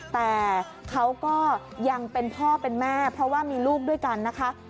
แต่เขาก็ยังเป็นพ่อเป็นแม่เพราะว่ามีลูกด้วยกันนะคะ